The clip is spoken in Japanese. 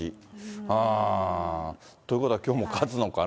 うーん、ということは、きょうも勝つのかな？